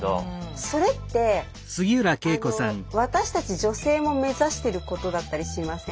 それって私たち女性も目指してることだったりしません？